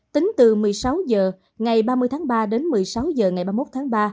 tính từ một mươi sáu h ngày ba mươi tháng ba đến một mươi sáu h ngày ba mươi một tháng ba